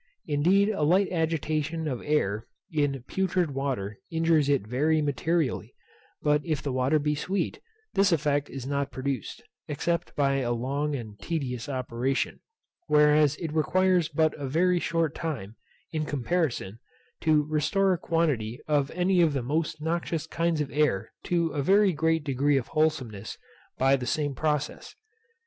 Indeed a light agitation of air in putrid water injures it very materially; but if the water be sweet, this effect is not produced, except by a long and tedious operation, whereas it requires but a very short time, in comparison, to restore a quantity of any of the most noxious kinds of air to a very great degree of wholesomeness by the same process.